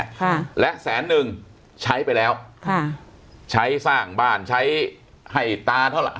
ค่ะและแสนหนึ่งใช้ไปแล้วค่ะใช้สร้างบ้านใช้ให้ตาเท่าไหร